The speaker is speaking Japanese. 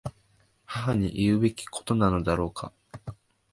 母に言うべきことなのだろうか。